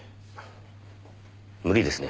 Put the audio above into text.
無理ですね。